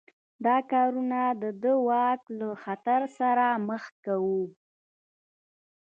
دا کارونه د ده واک له خطر سره مخ کاوه.